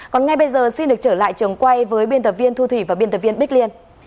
còn ngay bây giờ xin được trở lại trường quay với biên tập viên thu thủy và biên tập viên bích liên